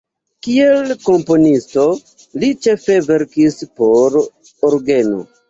Kiel komponisto li ĉefe verkis por orgeno.